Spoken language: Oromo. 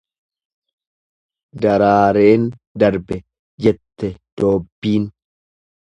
Daraareen darbe jette doobbiin.